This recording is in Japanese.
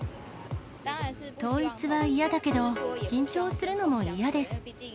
統一は嫌だけど、緊張するのも嫌です。